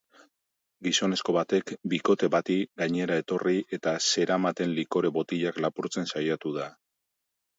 Gizonezko batek bikote bati gainera etorri eta zeramaten likore botilak lapurtzen saiatu da.